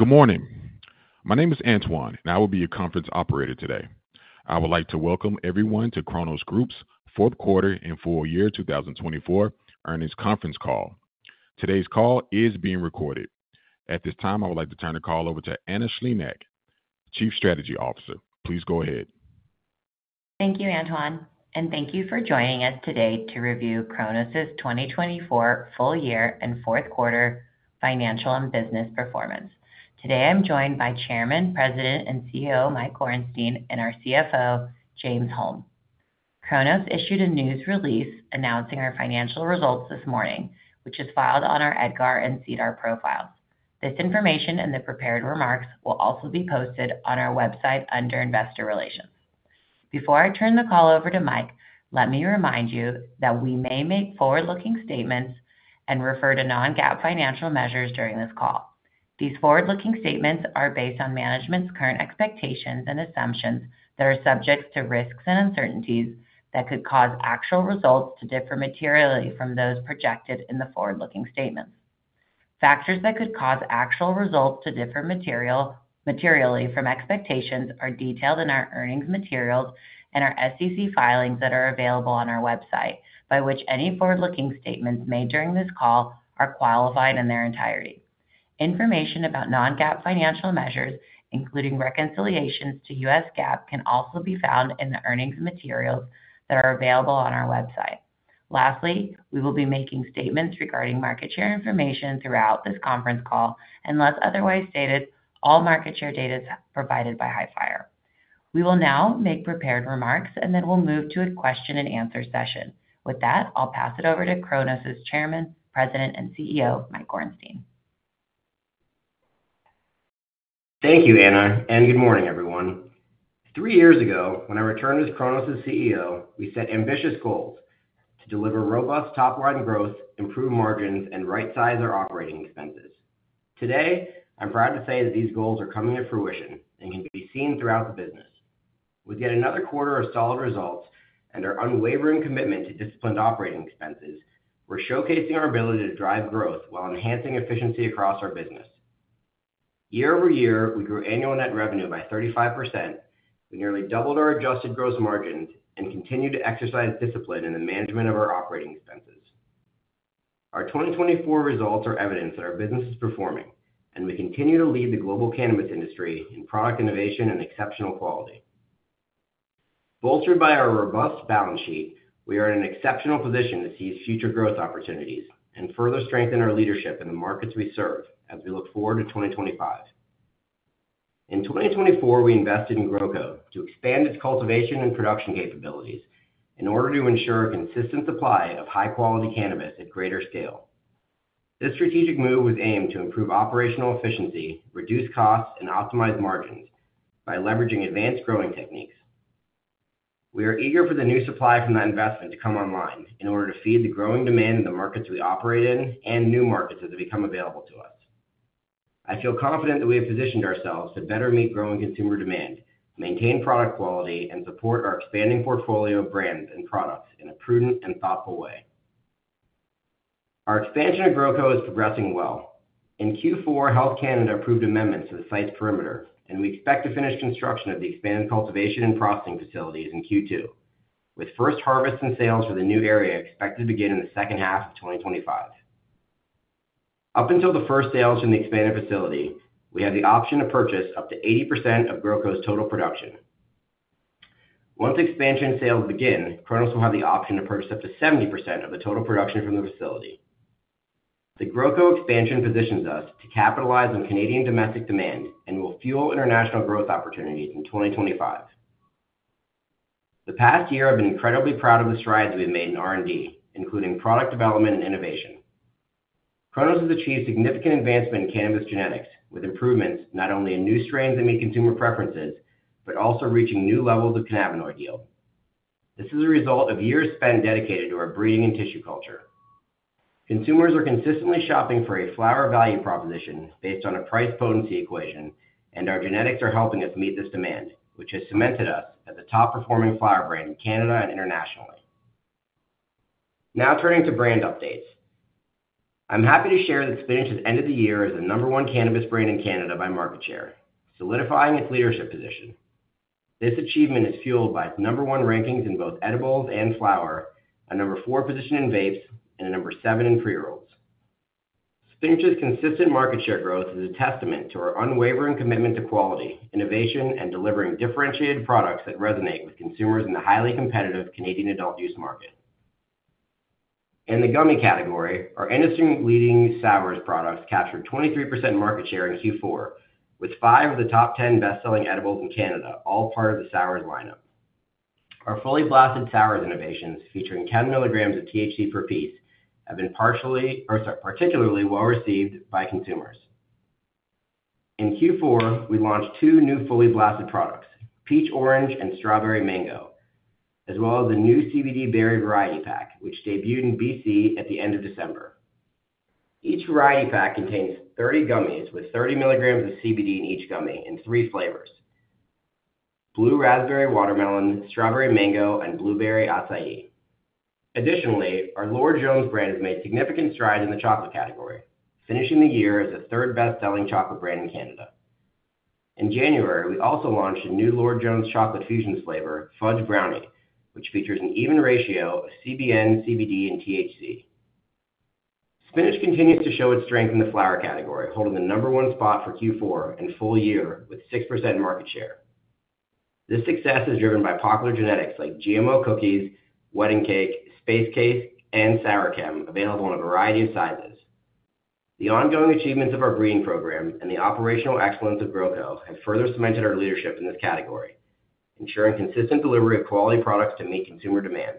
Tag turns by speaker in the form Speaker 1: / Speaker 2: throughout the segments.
Speaker 1: Good morning. My name is Antoine, and I will be your conference operator today. I would like to welcome everyone to Cronos Group's fourth quarter and full year 2024 earnings conference call. Today's call is being recorded. At this time, I would like to turn the call over to Anna Shlimak, Chief Strategy Officer. Please go ahead.
Speaker 2: Thank you, Antoine, and thank you for joining us today to review Cronos' 2024 full year and fourth quarter financial and business performance. Today, I'm joined by Chairman, President, and CEO Mike Gorenstein, and our CFO, James Holm. Cronos issued a news release announcing our financial results this morning, which is filed on our EDGAR and CEDAR profiles. This information and the prepared remarks will also be posted on our website under Investor Relations. Before I turn the call over to Mike, let me remind you that we may make forward-looking statements and refer to non-GAAP financial measures during this call. These forward-looking statements are based on management's current expectations and assumptions that are subject to risks and uncertainties that could cause actual results to differ materially from those projected in the forward-looking statements. Factors that could cause actual results to differ materially from expectations are detailed in our earnings materials and our SEC filings that are available on our website, by which any forward-looking statements made during this call are qualified in their entirety. Information about non-GAAP financial measures, including reconciliations to U.S. GAAP, can also be found in the earnings materials that are available on our website. Lastly, we will be making statements regarding market share information throughout this conference call. Unless otherwise stated, all market share data is provided by Hifyre. We will now make prepared remarks, and then we'll move to a question-and-answer session. With that, I'll pass it over to Cronos' Chairman, President, and CEO, Mike Gorenstein.
Speaker 3: Thank you, Anna, and good morning, everyone. Three years ago, when I returned as Cronos' CEO, we set ambitious goals to deliver robust top-line growth, improve margins, and right-size our operating expenses. Today, I'm proud to say that these goals are coming to fruition and can be seen throughout the business. With yet another quarter of solid results and our unwavering commitment to disciplined operating expenses, we're showcasing our ability to drive growth while enhancing efficiency across our business. Year-over-year, we grew annual net revenue by 35%. We nearly doubled our adjusted gross margins and continue to exercise discipline in the management of our operating expenses. Our 2024 results are evidence that our business is performing, and we continue to lead the global cannabis industry in product innovation and exceptional quality. Bolstered by our robust balance sheet, we are in an exceptional position to seize future growth opportunities and further strengthen our leadership in the markets we serve as we look forward to 2025. In 2024, we invested in GrowCo to expand its cultivation and production capabilities in order to ensure a consistent supply of high-quality cannabis at greater scale. This strategic move was aimed to improve operational efficiency, reduce costs, and optimize margins by leveraging advanced growing techniques. We are eager for the new supply from that investment to come online in order to feed the growing demand in the markets we operate in and new markets as they become available to us. I feel confident that we have positioned ourselves to better meet growing consumer demand, maintain product quality, and support our expanding portfolio of brands and products in a prudent and thoughtful way. Our expansion at GrowCo is progressing well. In Q4, Health Canada approved amendments to the site's perimeter, and we expect to finish construction of the expanded cultivation and processing facilities in Q2, with first harvests and sales for the new area expected to begin in the second half of 2025. Up until the first sales from the expanded facility, we have the option to purchase up to 80% of GrowCo's total production. Once expansion sales begin, Cronos will have the option to purchase up to 70% of the total production from the facility. The GrowCo expansion positions us to capitalize on Canadian domestic demand and will fuel international growth opportunities in 2025. The past year, I've been incredibly proud of the strides we've made in R&D, including product development and innovation. Cronos has achieved significant advancement in cannabis genetics, with improvements not only in new strains that meet consumer preferences but also reaching new levels of cannabinoid yield. This is a result of years spent dedicated to our breeding and tissue culture. Consumers are consistently shopping for a flower value proposition based on a price-potency equation, and our genetics are helping us meet this demand, which has cemented us as a top-performing flower brand in Canada and internationally. Now, turning to brand updates, I'm happy to share that Spinach has ended the year as the number one cannabis brand in Canada by market share, solidifying its leadership position. This achievement is fueled by its number one rankings in both edibles and flower, a number four position in vapes, and a number seven in pre-rolls. Spinach's consistent market share growth is a testament to our unwavering commitment to quality, innovation, and delivering differentiated products that resonate with consumers in the highly competitive Canadian adult-use market. In the gummy category, our industry-leading Sours products captured 23% market share in Q4, with five of the top 10 best-selling edibles in Canada all part of the Sours lineup. Our fully blasted Sours innovations, featuring 10 milligrams of THC per piece, have been particularly well-received by consumers. In Q4, we launched two new fully blasted products, Peach Orange and Strawberry Mango, as well as a new CBD Berry Variety Pack, which debuted in BC at the end of December. Each variety pack contains 30 gummies with 30 milligrams of CBD in each gummy in three flavors: Blue Raspberry Watermelon, Strawberry Mango, and Blueberry Acai. Additionally, our Lord Jones brand has made significant strides in the chocolate category, finishing the year as the third best-selling chocolate brand in Canada. In January, we also launched a new Lord Jones Chocolate Fusions flavor, Fudge Brownie, which features an even ratio of CBN, CBD, and THC. Spinach continues to show its strength in the flower category, holding the number one spot for Q4 and full year with 6% market share. This success is driven by popular genetics like GMO Cookies, Wedding Cake, Space Cake, and Sour Chem, available in a variety of sizes. The ongoing achievements of our breeding program and the operational excellence of GrowCo have further cemented our leadership in this category, ensuring consistent delivery of quality products to meet consumer demand.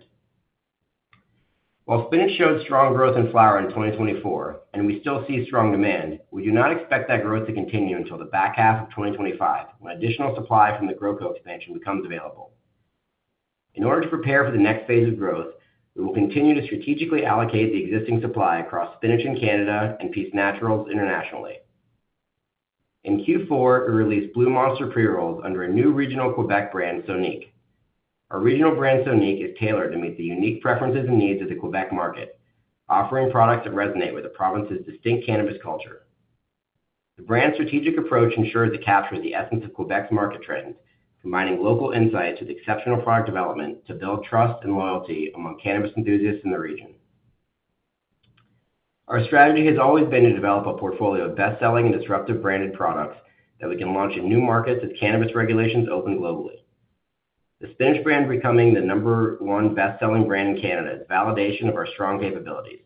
Speaker 3: While Spinach showed strong growth in flower in 2024, and we still see strong demand, we do not expect that growth to continue until the back half of 2025 when additional supply from the GrowCo expansion becomes available. In order to prepare for the next phase of growth, we will continue to strategically allocate the existing supply across Spinach in Canada and Peace Naturals internationally. In Q4, we released Blue Monster pre-rolls under a new regional Québec brand, Sonique. Our regional brand, Sonique, is tailored to meet the unique preferences and needs of the Québec market, offering products that resonate with the province's distinct cannabis culture. The brand's strategic approach ensures it captures the essence of Québec's market trends, combining local insights with exceptional product development to build trust and loyalty among cannabis enthusiasts in the region. Our strategy has always been to develop a portfolio of best-selling and disruptive branded products that we can launch in new markets as cannabis regulations open globally. The Spinach brand becoming the number one best-selling brand in Canada is validation of our strong capabilities,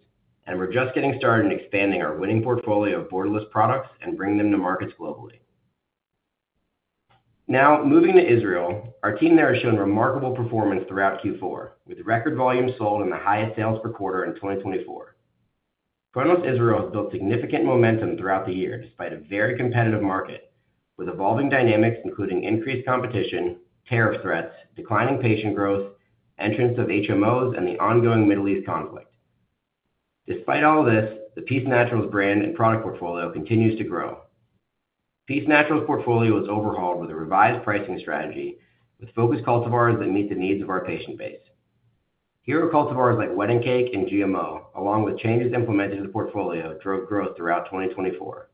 Speaker 3: and we're just getting started in expanding our winning portfolio of borderless products and bringing them to markets globally. Now, moving to Israel, our team there has shown remarkable performance throughout Q4, with record volumes sold and the highest sales per quarter in 2024. Cronos Israel has built significant momentum throughout the year despite a very competitive market, with evolving dynamics including increased competition, tariff threats, declining patient growth, entrance of HMOs, and the ongoing Middle East conflict. Despite all this, the Peace Naturals brand and product portfolio continues to grow. Peace Naturals' portfolio was overhauled with a revised pricing strategy, with focused cultivars that meet the needs of our patient base. Hero cultivars like Wedding Cake and GMO, along with changes implemented to the portfolio, drove growth throughout 2024.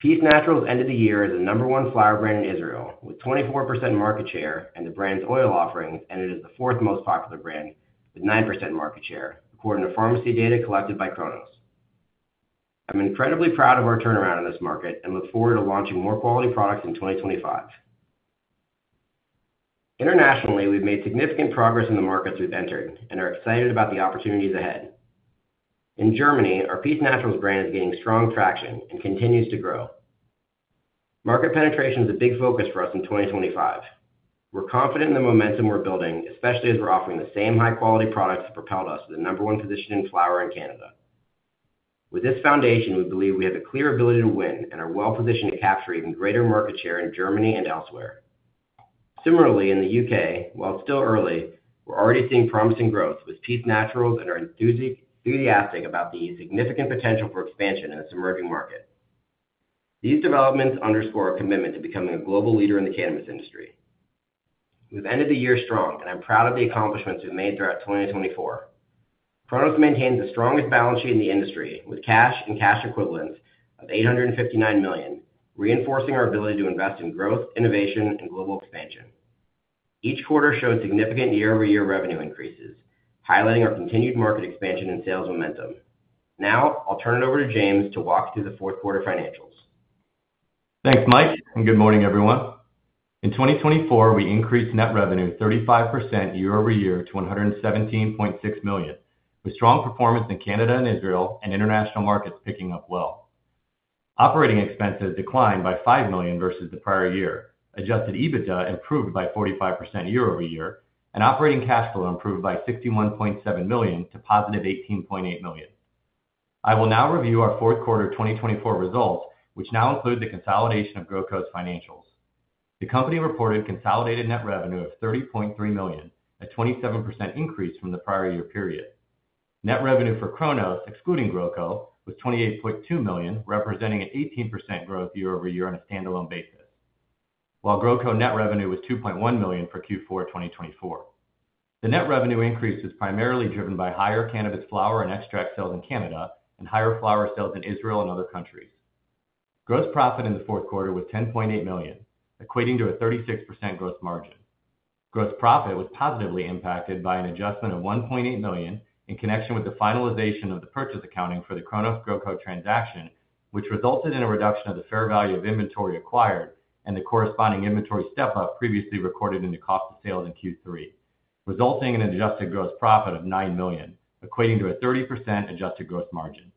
Speaker 3: Peace Naturals ended the year as the number one flower brand in Israel, with 24% market share, and the brand's oil offerings ended as the fourth most popular brand, with 9% market share, according to pharmacy data collected by Cronos. I'm incredibly proud of our turnaround in this market and look forward to launching more quality products in 2025. Internationally, we've made significant progress in the markets we've entered and are excited about the opportunities ahead. In Germany, our Peace Naturals brand is gaining strong traction and continues to grow. Market penetration is a big focus for us in 2025. We're confident in the momentum we're building, especially as we're offering the same high-quality products that propelled us to the number one position in flower in Canada. With this foundation, we believe we have a clear ability to win and are well-positioned to capture even greater market share in Germany and elsewhere. Similarly, in the U.K., while it's still early, we're already seeing promising growth, with Peace Naturals and our enthusiasts enthusiastic about the significant potential for expansion in this emerging market. These developments underscore our commitment to becoming a global leader in the cannabis industry. We've ended the year strong, and I'm proud of the accomplishments we've made throughout 2024. Cronos maintains the strongest balance sheet in the industry, with cash and cash equivalents of $859 million, reinforcing our ability to invest in growth, innovation, and global expansion. Each quarter showed significant year-over-year revenue increases, highlighting our continued market expansion and sales momentum. Now, I'll turn it over to James to walk through the fourth quarter financials.
Speaker 4: Thanks, Mike, and good morning, everyone. In 2024, we increased net revenue 35% year-over-year to $117.6 million, with strong performance in Canada and Israel, and international markets picking up well. Operating expenses declined by $5 million versus the prior year, Adjusted EBITDA improved by 45% year-over-year, and operating cash flow improved by $61.7 million to positive $18.8 million. I will now review our fourth quarter 2024 results, which now include the consolidation of GrowCo's financials. The company reported consolidated net revenue of $30.3 million, a 27% increase from the prior year period. Net revenue for Cronos, excluding GrowCo, was $28.2 million, representing an 18% growth year-over-year on a standalone basis, while GrowCo net revenue was $2.1 million for Q4 2024. The net revenue increase was primarily driven by higher cannabis flower and extract sales in Canada and higher flower sales in Israel and other countries. Gross profit in the fourth quarter was $10.8 million, equating to a 36% gross margin. Gross profit was positively impacted by an adjustment of $1.8 million in connection with the finalization of the purchase accounting for the Cronos GrowCo transaction, which resulted in a reduction of the fair value of inventory acquired and the corresponding inventory step-up previously recorded in the cost of sales in Q3, resulting in an adjusted gross profit of $9 million, equating to a 30% adjusted gross margin.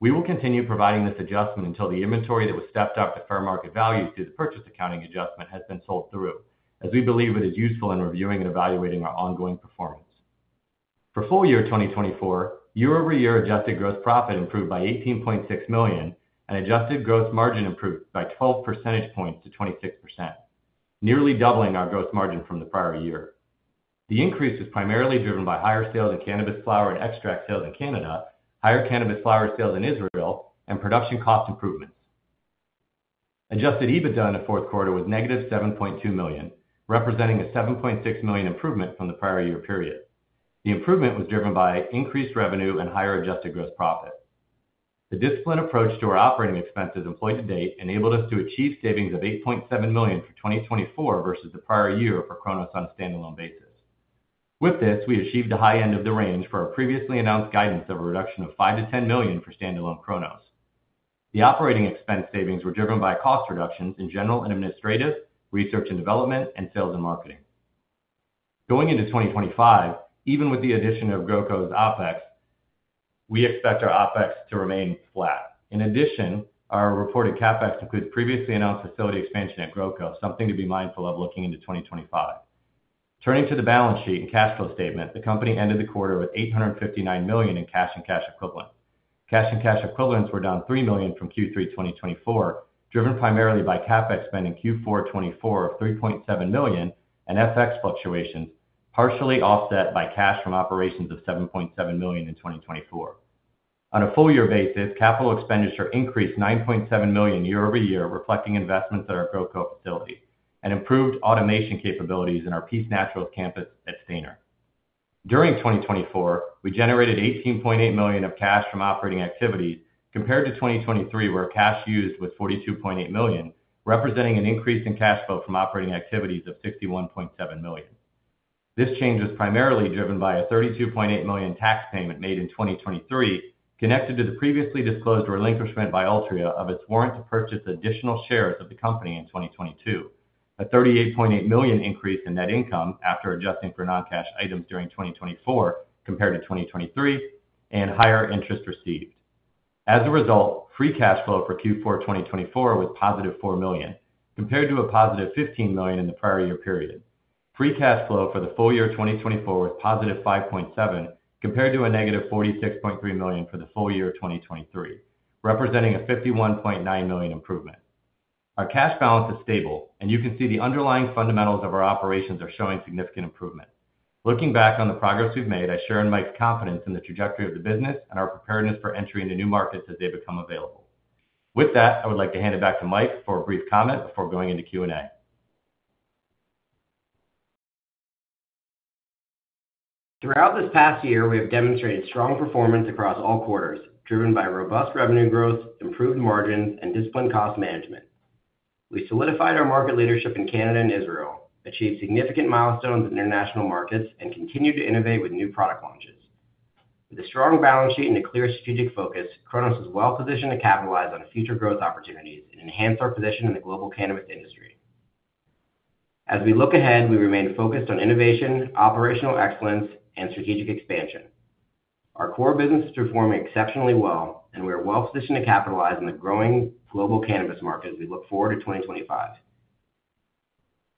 Speaker 4: We will continue providing this adjustment until the inventory that was stepped up to fair market values through the purchase accounting adjustment has been sold through, as we believe it is useful in reviewing and evaluating our ongoing performance. For full year 2024, year-over-year adjusted gross profit improved by $18.6 million and adjusted gross margin improved by 12 percentage points to 26%, nearly doubling our gross margin from the prior year. The increase was primarily driven by higher sales in cannabis flower and extract sales in Canada, higher cannabis flower sales in Israel, and production cost improvements. Adjusted EBITDA in the fourth quarter was -$7.2 million, representing a $7.6 million improvement from the prior year period. The improvement was driven by increased revenue and higher adjusted gross profit. The disciplined approach to our operating expenses employed to date enabled us to achieve savings of $8.7 million for 2024 versus the prior year for Cronos on a standalone basis. With this, we achieved the high end of the range for our previously announced guidance of a reduction of $5-$10 million for standalone Cronos. The operating expense savings were driven by cost reductions in general and administrative, research and development, and sales and marketing. Going into 2025, even with the addition of GrowCo's OpEx, we expect our OpEx to remain flat. In addition, our reported CapEx includes previously announced facility expansion at GrowCo, something to be mindful of looking into 2025. Turning to the balance sheet and cash flow statement, the company ended the quarter with $859 million in cash and cash equivalents. Cash and cash equivalents were down $3 million from Q3 2024, driven primarily by CapEx spend in Q4 2024 of $3.7 million and FX fluctuations, partially offset by cash from operations of $7.7 million in 2024. On a full-year basis, capital expenditure increased $9.7 million year-over-year, reflecting investments at our GrowCo facility and improved automation capabilities in our Peace Naturals campus at Stayner. During 2024, we generated $18.8 million of cash from operating activities, compared to 2023, where cash used was $42.8 million, representing an increase in cash flow from operating activities of $61.7 million. This change was primarily driven by a $32.8 million tax payment made in 2023, connected to the previously disclosed relinquishment by Altria of its warrant to purchase additional shares of the company in 2022, a $38.8 million increase in net income after adjusting for non-cash items during 2024 compared to 2023, and higher interest received. As a result, free cash flow for Q4 2024 was +$4 million, compared to a +$15 million in the prior year period. Free cash flow for the full year 2024 was positive $5.7, compared to a -$46.3 million for the full year 2023, representing a $51.9 million improvement. Our cash balance is stable, and you can see the underlying fundamentals of our operations are showing significant improvement. Looking back on the progress we've made, I share in Mike's confidence in the trajectory of the business and our preparedness for entry into new markets as they become available. With that, I would like to hand it back to Mike for a brief comment before going into Q&A.
Speaker 3: Throughout this past year, we have demonstrated strong performance across all quarters, driven by robust revenue growth, improved margins, and disciplined cost management. We solidified our market leadership in Canada and Israel, achieved significant milestones in international markets, and continued to innovate with new product launches. With a strong balance sheet and a clear strategic focus, Cronos is well-positioned to capitalize on future growth opportunities and enhance our position in the global cannabis industry. As we look ahead, we remain focused on innovation, operational excellence, and strategic expansion. Our core business is performing exceptionally well, and we are well-positioned to capitalize on the growing global cannabis market as we look forward to 2025.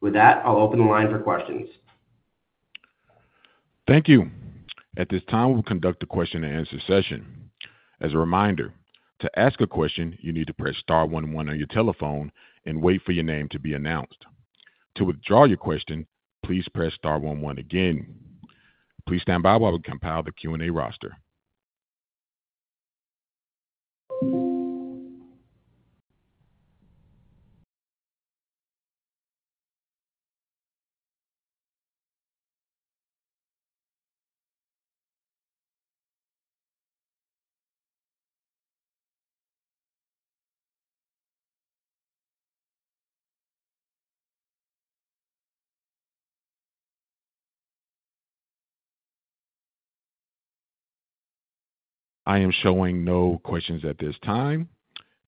Speaker 3: With that, I'll open the line for questions.
Speaker 1: Thank you. At this time, we'll conduct a question-and-answer session. As a reminder, to ask a question, you need to press star one one on your telephone and wait for your name to be announced. To withdraw your question, please press star one one again. Please stand by while we compile the Q&A roster. I am showing no questions at this time.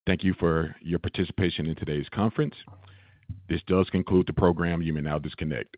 Speaker 1: Thank you for your participation in today's conference. This does conclude the program. You may now disconnect.